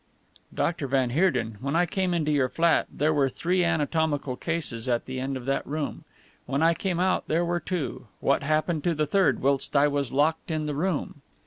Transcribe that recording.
"Doctor van Heerden, when I came into your flat there were three anatomical cases at the end of that room. When I came out there were two. What happened to the third whilst I was locked in the room?"